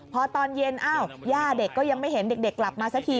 พอตอนเย็นอ้าวย่าเด็กก็ยังไม่เห็นเด็กกลับมาสักที